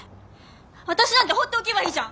私なんて放っておけばいいじゃん！